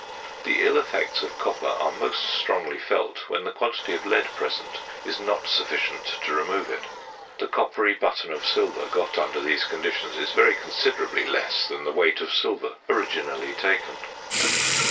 The ill effects of copper are most strongly felt when the quantity of lead present is not sufficient to remove it: the coppery button of silver got under these conditions is very considerably less than the weight of silver originally taken.